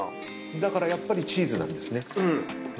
だからやっぱりチーズなんですね。